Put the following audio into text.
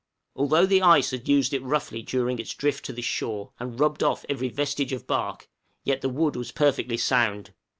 Although the ice had used it roughly during its drift to this shore, and rubbed off every vestige of bark, yet the wood was perfectly sound.